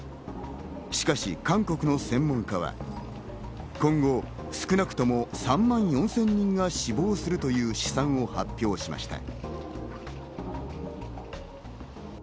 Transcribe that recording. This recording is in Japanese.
しかし韓国の専門家は、今後、少なくとも３万４０００人が死亡するという試算を発表しました。